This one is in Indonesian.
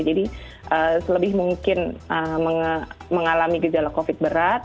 jadi selebih mungkin mengalami gejala covid berat